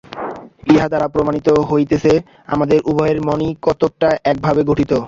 ইহাদ্বারা প্রমাণিত হইতেছে, আমাদের উভয়ের মনই কতকটা একভাবে গঠিত।